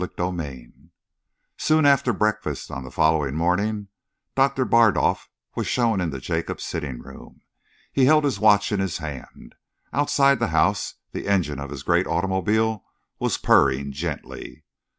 CHAPTER XXVI Soon after breakfast, on the following morning, Doctor Bardolf was shown into Jacob's sitting room. He held his watch in his hand. Outside the house, the engine of his great automobile was purring gently.